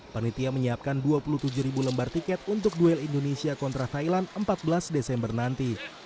panitia menyiapkan dua puluh tujuh ribu lembar tiket untuk duel indonesia kontra thailand empat belas desember nanti